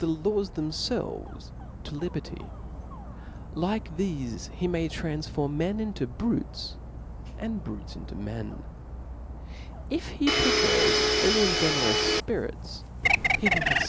^^^'^^^^^ themfelv^ to liberty's like thcfe h« may transfer men iftto brutes, arid' brutes into men. If he prefers free and generous fpirits, he Mriil h^ve.